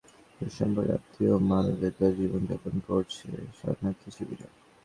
তিনি জানতে পারলেন তাঁর অনেক দূরসম্পর্কের আত্মীয়ও মানবেতর জীবন যাপন করছে শরণার্থীশিবিরে।